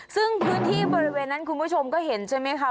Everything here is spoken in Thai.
ซึ่งพื้นที่บริเวณนั้นคุณผู้ชมก็เห็นใช่ไหมคะ